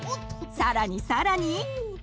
さらにさらに！